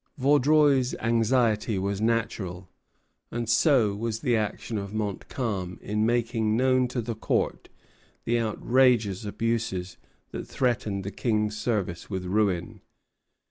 Vaudreuil's anxiety was natural; and so was the action of Montcalm in making known to the Court the outrageous abuses that threatened the King's service with ruin.